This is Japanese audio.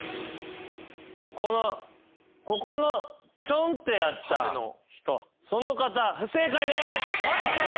このここのちょんってやった人その方不正解です！